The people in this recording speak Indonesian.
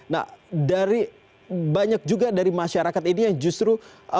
nah dari banyak juga dari masyarakat ini yang justru